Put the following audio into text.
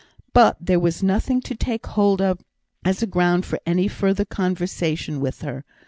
But there was nothing to take hold of as a ground for any further conversation with her.